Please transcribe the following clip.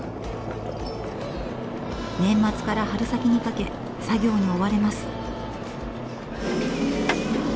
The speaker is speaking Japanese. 年末から春先にかけ作業に追われます。